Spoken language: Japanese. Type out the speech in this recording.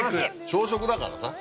朝食だからさ。